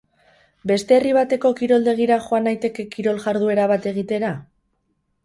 Beste herri bateko kiroldegira joan naiteke kirol-jarduera bat egitera?